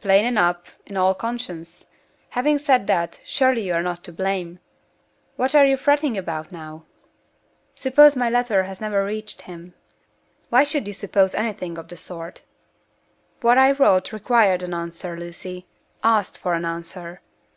"Plain enough, in all conscience! Having said that, surely you are not to blame. What are you fretting about now?" "Suppose my letter has never reached him?" "Why should you suppose anything of the sort?" "What I wrote required an answer, Lucy asked for an answer.